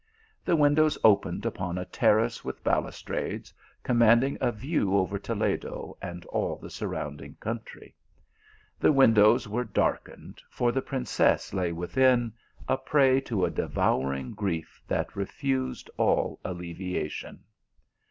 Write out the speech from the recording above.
The windows opened upon a terrace with balustrades, commanding a view over Toledo and all the sur rounding country. The windows were darkened, for the princess lay within, a prey to a devouring grief that refused all alleviation.